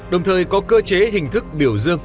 đồng thời có cơ chế hình thức biểu dương